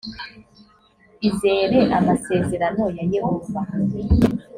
izere amasezerano ya yehova